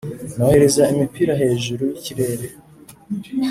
nohereze imipira hejuru yikirere.